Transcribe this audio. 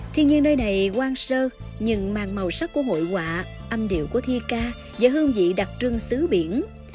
thiên nhiên nơi này quan sơ nhìn màng màu sắc của hội quạ âm điệu của thi ca và hương vị đặc trưng xứ biển